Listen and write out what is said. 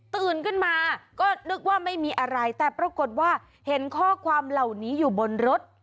ตื่นขึ้นมาก็นึกว่าไม่มีอะไรแต่ปรากฏว่าเห็นข้อความเหล่านี้อยู่บนรถ